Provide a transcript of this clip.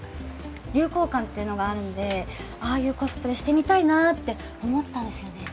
流行感っていうのが合うのでああいうコスプレしてみたいなと思ってたんです。